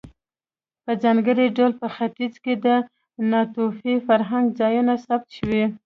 په ځانګړي ډول په ختیځ کې د ناتوفي فرهنګ ځایونه ثبت شوي.